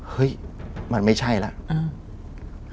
เฮ้ยมันไม่ใช่แล้ว